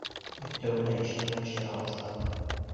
Өҫтәүенә, ишетмәмешкә һалышҡан.